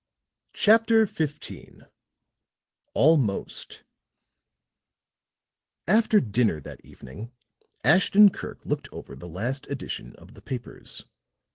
CHAPTER XV ALMOST After dinner that evening, Ashton Kirk looked over the last edition of the papers.